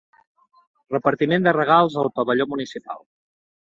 Repartiment de regals al pavelló municipal.